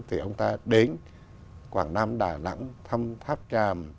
thì ông ta đến quảng nam đà nẵng thăm tháp tràm